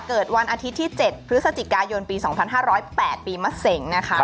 เกิดวันอาทิตย์ที่๗พฤศจิกายนปี๒๕๐๘ปีมะเสงนะคะ